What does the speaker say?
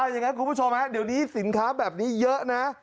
อย่างนั้นคุณผู้ชมฮะเดี๋ยวนี้สินค้าแบบนี้เยอะนะ